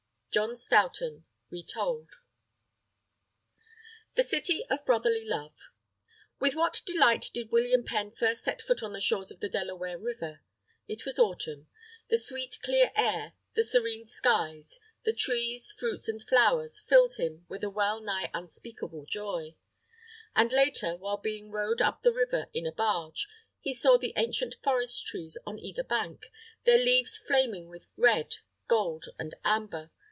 John Stoughton (Retold) THE CITY OF BROTHERLY LOVE With what delight did William Penn first set foot on the shore of the Delaware River. It was Autumn. The sweet clear air, the serene skies, the trees, fruits, and flowers, filled him with a wellnigh unspeakable joy. And later, while being rowed up the river in a barge, he saw the ancient forest trees on either bank, their leaves flaming with red, gold, and amber.